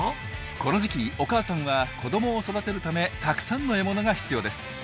この時期お母さんは子どもを育てるためたくさんの獲物が必要です。